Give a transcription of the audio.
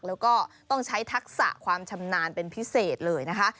แล้วก็ต้องใช้ทักษะความชำนาญเป็นพิเศษเลยนะคะ